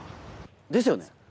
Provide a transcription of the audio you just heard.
ですよね！